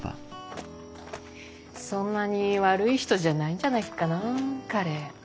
そんなに悪い人じゃないんじゃないかなあ彼。